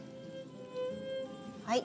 はい。